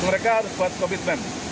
mereka harus buat komitmen